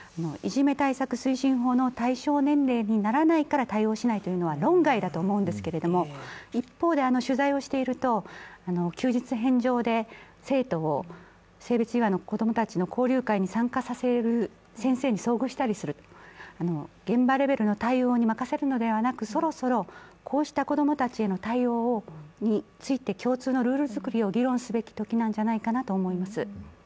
いじめ対策推進法の対象年齢にならないから対応しないというのは論外だと思うんですけれども、一方で、取材をしていると、休日返上で生徒を性別違和の子供たちの交流会に参加させる先生に遭遇したりする、現場レベルの対応に任せるのではなく、そろそろこうした子供たちへの対応について共通のルール作りを議論すべき時なんじゃないかなと思います。